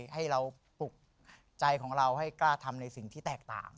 ให้เราปลุกใจของเราให้กล้าทำในสิ่งที่แตกต่าง